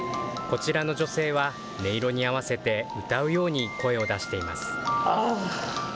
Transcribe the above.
こちらの女性は音色に合わせて、歌うように声を出しています。